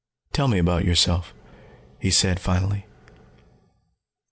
"Tell me about yourself," he said finally.